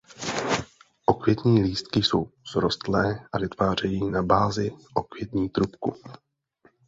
Okvětní lístky jsou srostlé a vytvářejí na bázi okvětní trubku.